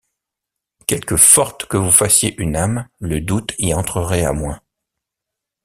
Quelque forte que vous fassiez une âme, le doute y entrerait à moins.